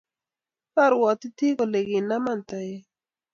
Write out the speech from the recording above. Kyarwotyi kole kinamaa toek